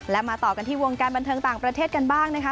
และมาต่อกันที่วงการบันเทิงต่างประเทศกันบ้างนะคะ